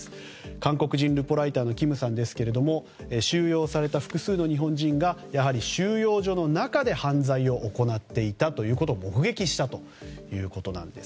韓国人ルポライターのキムさんは収容された複数の日本人が収容所の中で犯罪を行っていたところを目撃したということです。